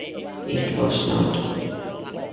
It was not.